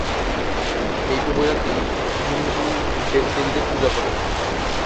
এই উপজাতি হিন্দু দেবদেবীদের পূজা করে।